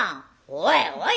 「おいおい！